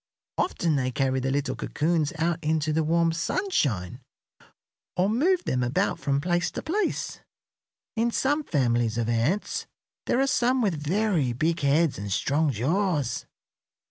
Often they carry the little cocoons out into the warm sunshine or move them about from place to place. In some families of ants there are some with very big heads and strong jaws.